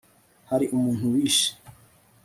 hari umuntu wishe